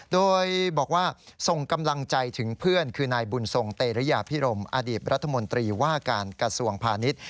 โดยบอกว่าส่งกำลังใจถึงเพื่อนคือนายบุญทรงเตรียพิรมอดีตรัฐมนตรีว่าการกระทรวงพาณิชย์